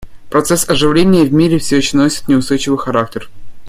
Процесс оживления в мире все еще носит неустойчивый характер.